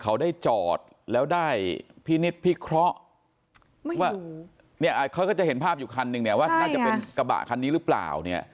เขาได้จอดแล้วได้พินิษฐ์พิเคราะห์ว่าเนี่ยเขาก็จะเห็นภาพอยู่คันนึงเนี่ยว่าน่าจะเป็นกระบะคันนี้หรือเปล่าเนี่ย